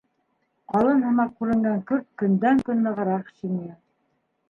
Ҡалын һымаҡ күренгән көрт көндән-көн нығыраҡ шиңә.